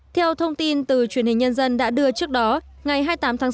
theo thông tin từ truyền hình nhân dân đã đưa trước đó ngày hai mươi tám tháng sáu